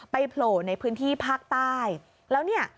โผล่ในพื้นที่ภาคใต้แล้วเนี่ย